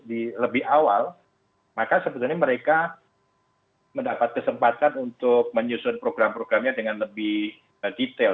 di lebih awal maka sebetulnya mereka mendapat kesempatan untuk menyusun program programnya dengan lebih detail